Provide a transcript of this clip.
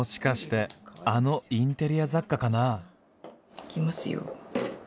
いきますよ。